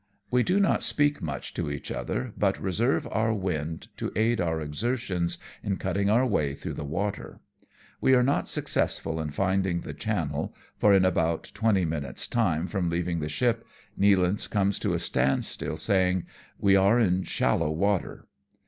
We do not speak much to each other, but reserve our wind to aid our exertions in cutting our way through the water. We are not successful in finding the channel, for in about twenty minutes' time from leaving the ship, Nealance comes to a standstill, saying, " We are in shallow water."